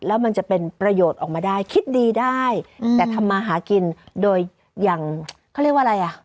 แล้วมันจะเป็นประโยชน์ออกมาได้คิดดีได้แต่ทำมาหากินโดยอย่างเขาเรียกว่าอะไรอ่ะ